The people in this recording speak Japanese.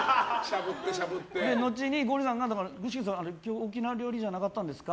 後に、ゴリエさんが具志堅さん沖縄料理じゃなかったんですか？